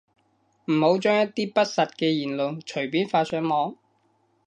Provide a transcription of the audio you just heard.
唔好將一啲不實嘅言論隨便發上網